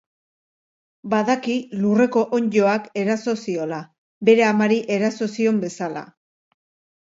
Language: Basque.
Badaki lurreko onddoak eraso ziola, bere amari eraso zion bezala.